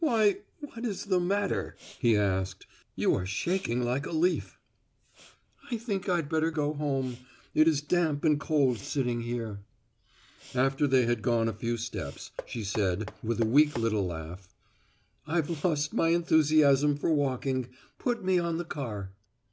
"Why, what is the matter?" he asked. "You are shaking like a leaf." "I think I'd better go home. It is damp and cold sitting here." After they had gone a few steps, she said, with a weak little laugh, "I've lost my enthusiasm for walking. Put me on the car."